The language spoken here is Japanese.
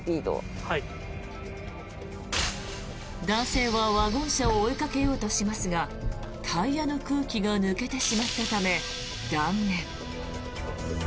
男性はワゴン車を追いかけようとしますがタイヤの空気が抜けてしまったため、断念。